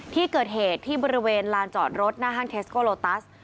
ที่เกิดเหตุที่บริเวณลานจอดรถหน้าห้างเทสโกโลตัส